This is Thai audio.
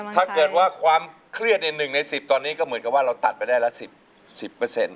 ถ้าเกิดว่าความเครื่อยในหนึ่งในสิบตอนนี้ก็เหมือนกับว่าเราตัดไปได้ละสิบเปอร์เซ็นต์